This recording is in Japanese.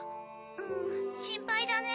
うん心配だね。